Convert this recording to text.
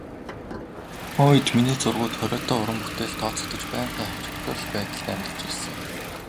Тухайн үед миний зургууд хориотой уран бүтээлд тооцогдож, байнгын хавчигдмал байдалд амьдарч ирсэн.